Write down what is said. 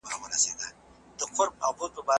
ښوونځي ماشومانو ته د ښو اخلاقو ارزښت ورزده کوي.